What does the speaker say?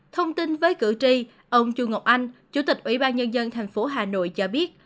thông tin với cử tri ông chu ngọc anh chủ tịch ủy ban nhân dân thành phố hà nội cho biết